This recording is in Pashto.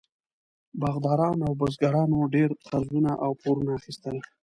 باغداران او بزګرانو ډېر قرضونه او پورونه اخیستل.